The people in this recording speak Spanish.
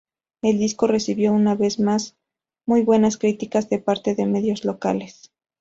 El disco recibió una vez más muy buenas críticas de parte de medios locales.